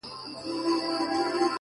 o زما زړه په محبت باندي پوهېږي،